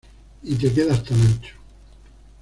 Y te quedas tan ancho"".